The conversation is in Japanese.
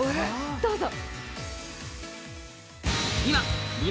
どうぞ！